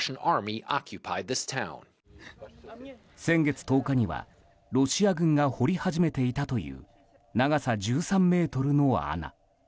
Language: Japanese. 先月１０日にはロシア軍が掘り始めていたという長さ１３ｍの穴。